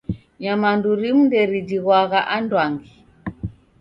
Nyamandu rimu nderijighwagha anduangi.